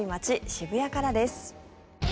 渋谷からです。